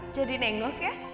jadi nengok ya